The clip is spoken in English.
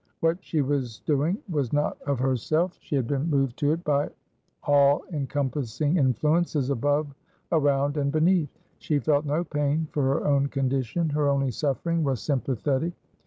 What she was doing was not of herself; she had been moved to it by all encompassing influences above, around, and beneath. She felt no pain for her own condition; her only suffering was sympathetic.